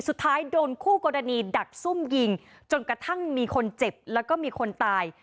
สุดท้ายโดนคู่กรณีดักซุ่มยิงจนกระทั่งมีคนเจ็บแล้วก็มีคนตาย